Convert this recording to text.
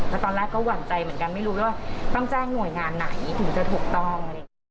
แล้วตอนแรกก็หวั่นใจเหมือนกันไม่รู้ว่าต้องแจ้งหน่วยงานไหนถึงจะถูกต้อง